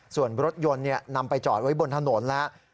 ส่วนรถยนต์นำไปจอดไว้บนถนนแล้ว